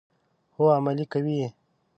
هو، عملي کوي یې.